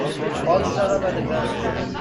All’s shut up at the Grange.